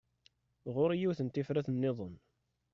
Ɣur-i yiwet n tifrat-nniḍen.